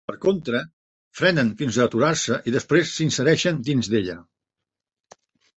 Per contra, frenen fins a aturar-se i després s'insereixen dins d'ella.